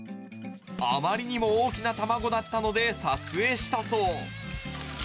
あまりにも大きな卵だったので、撮影したそう。